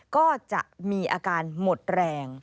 ก็จะมีอาการหมดแรง